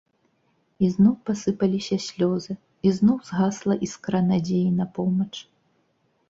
Ізноў пасыпаліся слёзы, ізноў згасла іскра надзеі на помач.